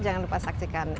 jangan lupa saksikan